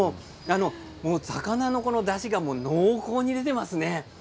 魚のだしが濃厚に出ていますね。